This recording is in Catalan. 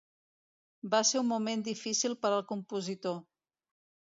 Va ser un moment difícil per al compositor.